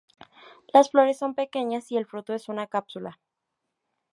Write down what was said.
Las flores son pequeñas y el fruto es una cápsula.